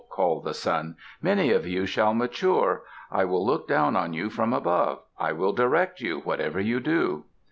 called the Sun. "Many of you shall mature. I will look down on you from above. I will direct you, whatever you do."